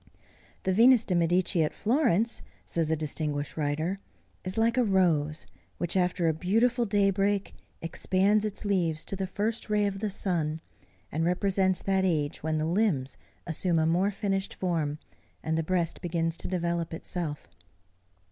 "The Venus de Medici at Florence," says a distinguished writer, "is like a rose which, after a beautiful daybreak, expands its leaves to the first ray of the sun, and represents that age when the limbs assume a more finished form and the breast begins to develop itself."